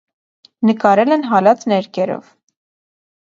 Նկարել են հալած ներկերով։